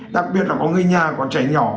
đặc biệt là có người nhà có trẻ nhỏ